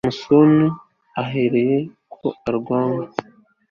samusoni ahera ko aranywa